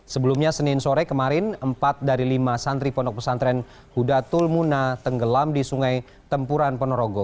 sebelumnya senin sore kemarin empat dari lima santri pondok pesantren huda tulmuna tenggelam di sungai tempuran ponorogo